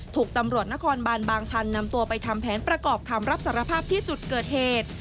ถูกตำรวจนครบานบางชันนำตัวไปทำแผนประกอบคำรับสารภาพที่จุดเกิดเหตุ